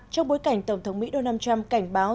trong bối cảnh tổng thống mỹ donald trump cảnh báo